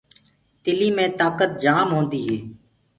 تِلينٚ مي تآڪت جآم هوندي هي۔